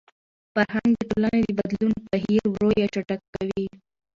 فرهنګ د ټولني د بدلون بهیر ورو يا چټک کوي.